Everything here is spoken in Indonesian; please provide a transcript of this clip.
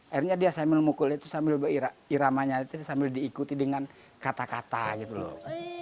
akhirnya dia sambil memukul itu sambil iramanya itu sambil diikuti dengan kata kata gitu loh